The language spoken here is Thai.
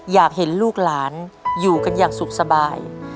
อยากเห็นลูกหลานอยู่กันอย่างสุขสบาย